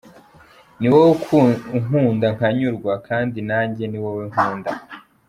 Ni wowe ukunda nkanyurwa kandi nanjye ni wowe nkunda".